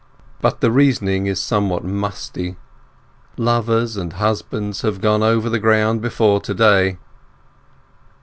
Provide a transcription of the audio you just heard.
But the reasoning is somewhat musty; lovers and husbands have gone over the ground before to day.